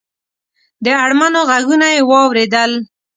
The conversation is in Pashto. د اړمنو غږونه یې واورېدل.